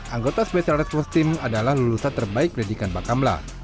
anggota special response team adalah lulusan terbaik pendidikan bakamla